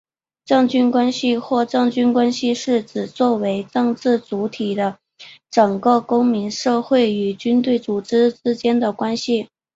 政军关系或军政关系是指作为政治主体的整个公民社会与军队组织之间的关系。